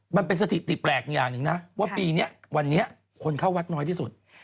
มันเป็นสถิติแปลกอย่างหนึ่งนะว่าปีนี้วันนี้คนเข้าวัดน้อยที่สุด